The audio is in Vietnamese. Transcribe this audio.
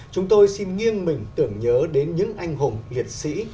chúng tôi xin nghiêng mình tưởng nhớ đến những anh hùng liệt sĩ